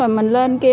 rồi mình lên kia